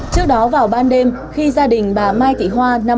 trước đó vào ban đêm khi gia đình bà mai thị hoa